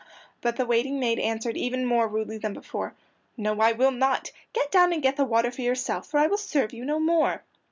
But the waiting maid answered even more rudely than before, "No, I will not; get down and get the water for yourself, for I will serve you no more."